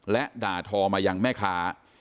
และด่าทอมายังแม่ค้า